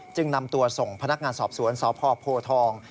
นำตัวส่งพนักงานสอบสวนสพโพทอง